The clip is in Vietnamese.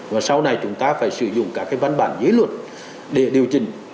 và sau này chúng ta phải sử dụng các cái văn bản dưới luật để điều chỉnh